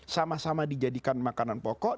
sama sama dijadikan makanan pokok